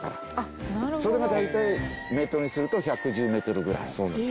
それが大体メートルにすると１１０メートルぐらい。